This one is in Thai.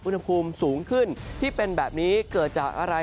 อุณหภูมิสูงขึ้นที่เป็นแบบนี้เกิดจากอะไร